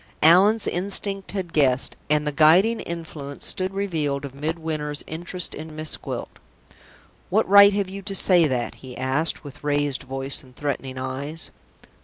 Allan's instinct had guessed, and the guiding influence stood revealed of Midwinter's interest in Miss Gwilt. "What right have you to say that?" he asked, with raised voice and threatening eyes.